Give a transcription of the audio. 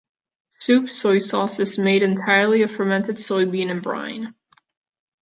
Soup soy sauce is made entirely of fermented soybean and brine.